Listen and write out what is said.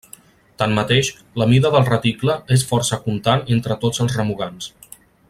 Tanmateix la mida del reticle és força contant entre tots els remugants.